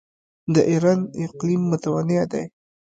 د ایران اقلیم متنوع دی.